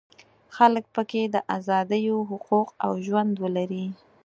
خلک په کې د ازادیو حقوق او ژوند ولري.